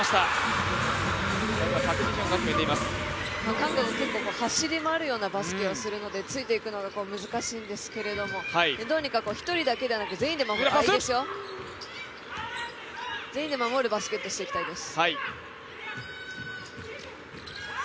韓国、走り回るようなバスケをするのでついていくのが難しいんですけどどうにか１人だけではなく全員で守るバスケをしていきたいです。